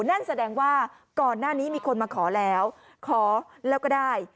นั่นแสดงว่าก่อนหน้านี้มีคนมาขอแล้วขอแล้วก็ได้